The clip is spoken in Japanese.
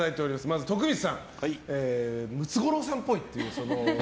まず徳光さんムツゴロウさんっぽいっていう。